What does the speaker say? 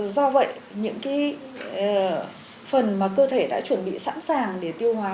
do vậy những phần mà cơ thể đã chuẩn bị sẵn sàng để tiêu hóa